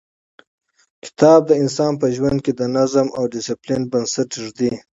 کتاب د انسان په ژوند کې د نظم او ډیسپلین بنسټ ږدي.